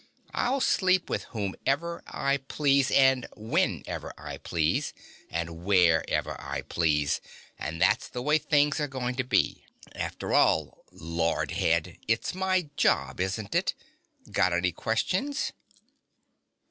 I'll sleep with whomever I please, and whenever I please, and wherever I please, and that's the way things are going to be. After all, lard head, it's my job, isn't it? Got any questions?"